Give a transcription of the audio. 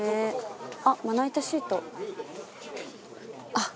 あっ！